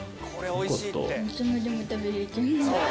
いつまでも食べれちゃう。